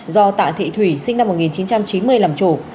do tạ thị thủy sinh năm một nghìn chín trăm chín mươi làm chủ